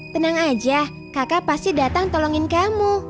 tenang aja kakak pasti datang tolongin kamu